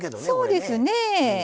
そうですねぇ。